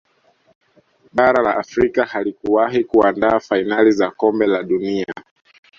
bara la Afrika halikuwahi kuandaa fainali za kombe la dunia